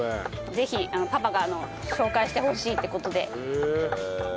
ぜひパパが紹介してほしいっていう事で。